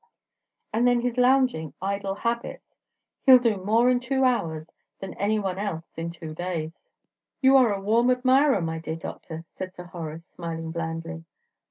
"And then his lounging, idle habits " "He'll do more in two hours than any one else in two days." "You are a warm admirer, my dear Doctor," said Sir Horace, smiling blandly.